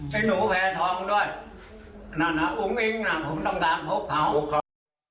ให้หนูแผ่ทองด้วยหน้าหนาอุ้งอิงผมต้องการพบเขา